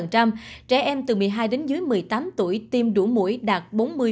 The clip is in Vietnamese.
trẻ em từ một mươi hai đến dưới một mươi tám tuổi tiêm đủ mũi đạt bốn mươi